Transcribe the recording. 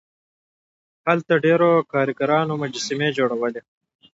هلته ډیرو کارګرانو مجسمې جوړولې.